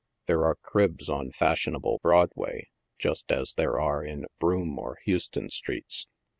There are " cribs" on fashionable Broadway just as there are in Broome or Houston streets.